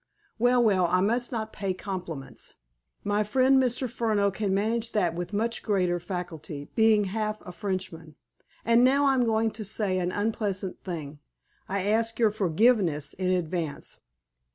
Well, well, I must not pay compliments. My friend, Mr. Furneaux, can manage that with much greater facility, being half a Frenchman. And now I'm going to say an unpleasant thing. I ask your forgiveness in advance.